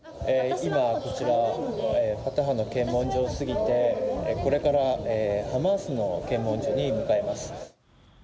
今、こちら、ファタハの検問所を過ぎて、これからはハマースの検問所に向かいます。